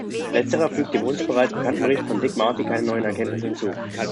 Letzterer fügt dem uns bereits bekannten Bericht von Dick Marty keine neuen Erkenntnisse hinzu.